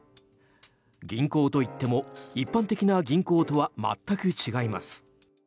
銀行といっても一般的な銀行とは全く違います。